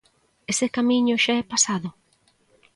Ese camiño xa é pasado?